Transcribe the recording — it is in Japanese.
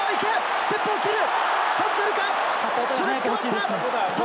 ステップを切る。